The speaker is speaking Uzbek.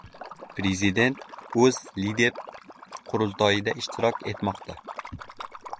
Prezident O‘zLiDeP qurultoyida ishtirok etmoqda